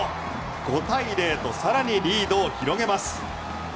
５対０と更にリードを広げます。